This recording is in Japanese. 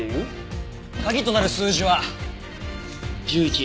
鍵となる数字は１１。